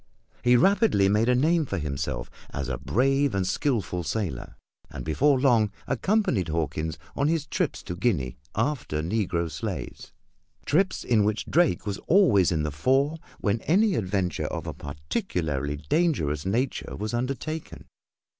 He rapidly made a name for himself as a brave and skilful sailor, and before long accompanied Hawkins on his trips to Guinea after negro slaves trips in which Drake was always in the fore when any adventure of a particularly dangerous nature was undertaken.